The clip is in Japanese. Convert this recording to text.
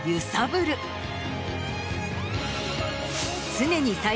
常に。